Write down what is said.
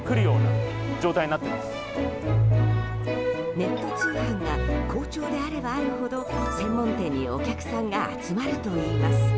ネット通販が好調であればあるほど専門店にお客さんが集まるといいます。